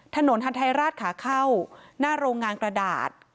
ถนนฮันไทยราชขาเข้าหน้าโรงงานกระดาษ